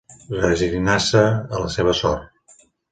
Resignar-se a la seva sort.